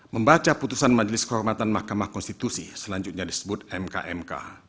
membaca putusan majelis kehormatan mahkamah konstitusi selanjutnya disebut mkmk